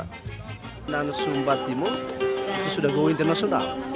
sumba timur itu sudah go internasional